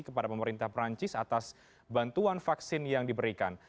kepada pemerintah perancis atas bantuan vaksin yang diberikan